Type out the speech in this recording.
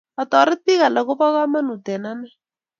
Atoret pik alak kopo kamanut eng' ane